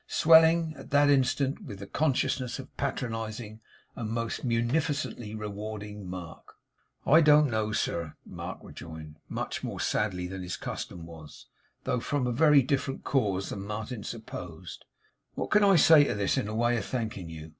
Swelling, at that instant, with the consciousness of patronizing and most munificently rewarding Mark! 'I don't know, sir,' Mark rejoined, much more sadly than his custom was, though from a very different cause than Martin supposed, 'what I can say to this, in the way of thanking you.